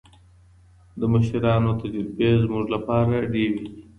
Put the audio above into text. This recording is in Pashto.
د مشرانو تجربې زموږ لپاره ډېوې دي.